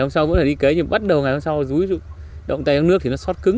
hôm sau vẫn phải đi cấy nhưng bắt đầu ngày hôm sau rúi rụi động tay vào nước thì nó xót cứng